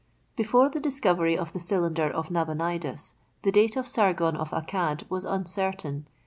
Before the discovery of the cylinder of Nabonidus the date of Sargon of Accad was uncertain.